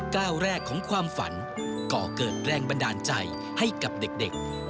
ก้าวแรกของความฝันก่อเกิดแรงบันดาลใจให้กับเด็ก